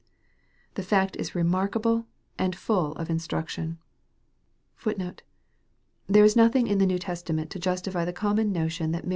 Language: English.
The fact is remarkable, and full of instruction.* * There is lothing in the New Testament to justify the common 360 EXPOSITORY THOUGHTS.